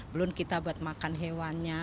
belum kita buat makan hewannya